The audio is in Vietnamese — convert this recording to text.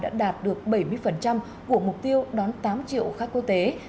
đã đạt được bảy mươi của mục tiêu đón tám triệu khách quốc tế